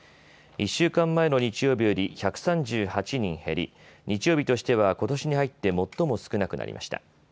１週間前の日曜日より１３８人減り、日曜日としてはことしに入って最も少なくなりました。